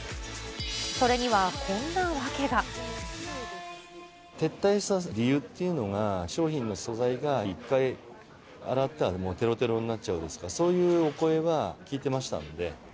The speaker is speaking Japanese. それには、撤退した理由っていうのが、商品の素材が１回洗ったら、もうてろてろになっちゃうですとか、そういうお声は聞いてましたので。